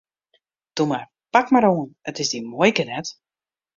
Toe mar, pak mar oan, it is dyn muoike net!